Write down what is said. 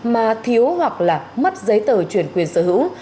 mà thiếu hoặc là mất giấy tờ chuyển quyền sở hữu